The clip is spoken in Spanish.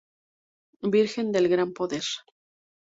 Virgen del Gran Poder.